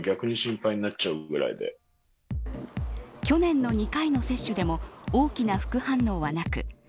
去年の２回の接種でも大きな副反応はなく